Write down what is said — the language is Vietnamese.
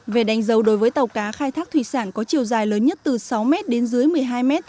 về đánh dấu đối với tàu cá khai thác thủy sản có chiều dài lớn nhất từ sáu m đến dưới một mươi hai m